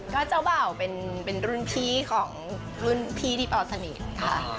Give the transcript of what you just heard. ก็เจ้าเป่าเป็นรุ่นพี่ที่เปาสนิทค่ะ